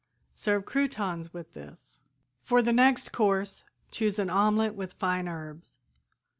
Serve croutons with this. "For the next course choose an omelette with fine herbs.